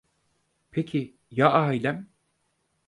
Peki ya ailem?